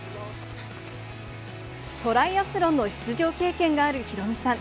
トライアスロンの出場経験があるヒロミさん。